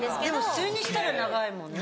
普通にしたら長いもんね。